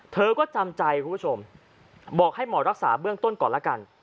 เธอก็จำใจคุณผู้ชมบอกให้หมอรักษาเบื้องต้นก่อนละกัน